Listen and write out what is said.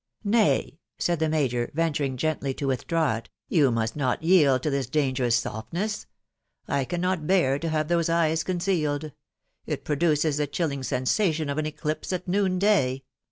" Nay," said the major, venturing gently to withdraw it, " you must not yield to this dangerous softness. ... I cannot bear to have those eyes concealed !.... it produces the chill ing sensation of an eclipse at noon day.